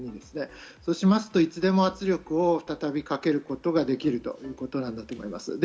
そうしますと、いつでも圧力を再びかけることができるということなんだと思います。